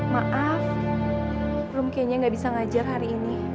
maaf room kayaknya gak bisa ngajar hari ini